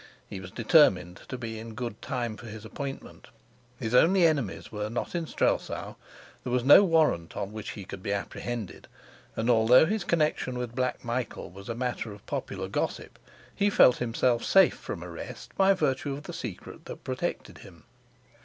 He was determined to be in good time for his appointment; his only enemies were not in Strelsau; there was no warrant on which he could be apprehended; and, although his connection with Black Michael was a matter of popular gossip, he felt himself safe from arrest by virtue of the secret that protected him.